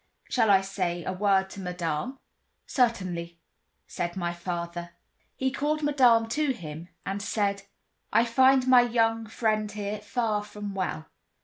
"Shall I say a word to Madame?" "Certainly," said my father. He called Madame to him, and said: "I find my young friend here far from well.